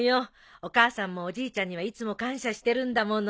お母さんもおじいちゃんにはいつも感謝してるんだもの。